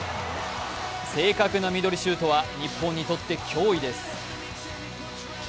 正確なミドルシュートは日本にとって脅威です。